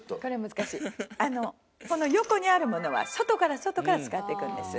あのこの横にあるものは外から外から使っていくんです。